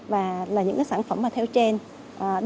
và là những sản phẩm theo trend